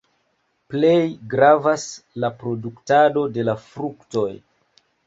Plej gravas la produktado de la fruktoj.